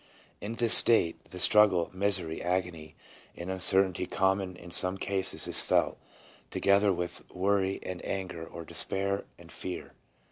In this state, the struggle, misery, agony, and un certainty common in some cases is felt, together with worry and anger, or despair and fear.